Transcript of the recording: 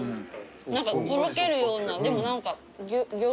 何かとろけるようなでも何か。